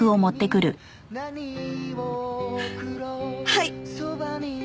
はい！